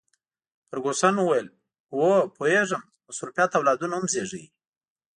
فرګوسن وویل: هو، پوهیږم، مصروفیت اولادونه هم زیږوي.